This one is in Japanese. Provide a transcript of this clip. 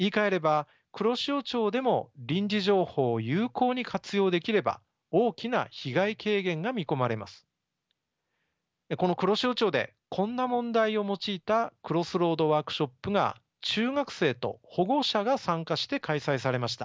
この黒潮町でこんな問題を用いた「クロスロード」ワークショップが中学生と保護者が参加して開催されました。